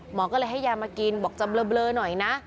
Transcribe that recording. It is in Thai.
หมอก็เลยให้ยามากินบอกจะเบลอหน่อยนะ